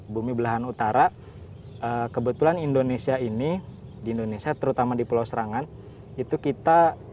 bumi belahan utara kebetulan indonesia ini di indonesia terutama di pulau serangan itu kita